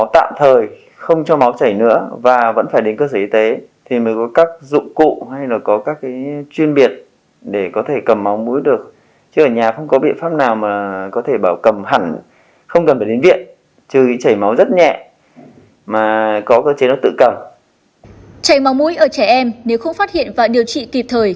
trảy máu mũi ở trẻ em nếu không phát hiện và điều trị kịp thời